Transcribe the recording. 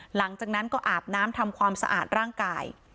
หลังจากนั้นก็อาบน้ำทำความสะอาดร่างกาย